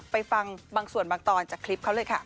ไปฟังบางส่วนบางตอนจากคลิปเขาเลยค่ะ